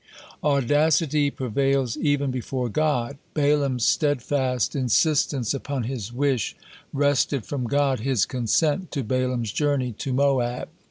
"Audacity prevails even before God." Balaam's steadfast insistence upon his wish wrested from God his consent to Balaam's journey to Moab.